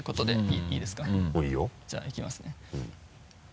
じゃあいきますね。